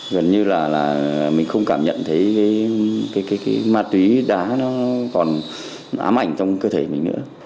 gần như là mình không cảm nhận thấy cái ma túy đá nó còn ám ảnh trong cơ thể mình nữa